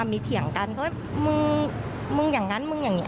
มีเถียงกันมึงอย่างนั้นมึงอย่างนี้